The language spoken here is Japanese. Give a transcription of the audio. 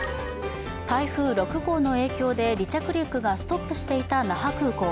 台風６号の影響で離着陸がストップしていた那覇空港。